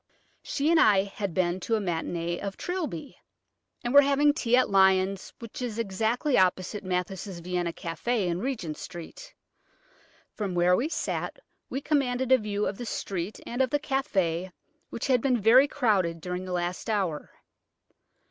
She and I had been to a matinée of "Trilby," and were having tea at Lyons', which is exactly opposite Mathis' Vienna café in Regent Street. From where we sat we commanded a view of the street and of the café, which had been very crowded during the last hour.